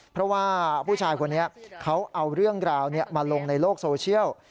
เพราะว่าผู้ชายคนนี้เขาเอาเรื่องราวมาลงในโลกโซเชียล